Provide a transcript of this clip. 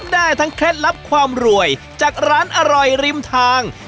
ได้ทั้งเคล็ดลับความรวยจากร้านอร่อยริมทาง